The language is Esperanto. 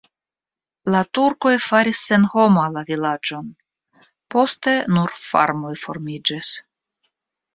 La turkoj faris senhoma la vilaĝon, poste nur farmoj formiĝis.